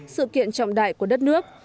sự kiện trọng đại của đất nước